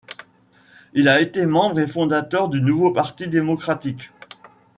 Il a été membre et fondateur du Nouveau Parti démocratique.